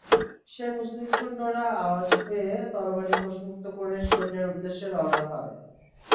সে মুসলিম সৈন্যর আওয়াজ পেয়ে তরবারি কোষমুক্ত করে সৈন্যের উদ্দেশ্যে রওনা হয়।